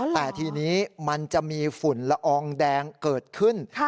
แต่ทีนี้มันจะมีฝุ่นละอองแดงเกิดขึ้น